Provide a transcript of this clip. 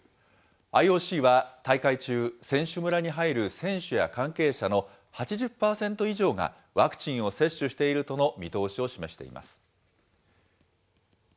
ＩＯＣは大会中、選手村に入る選手や関係者の８０％以上がワクチンを接種しているとの見通しを示しています。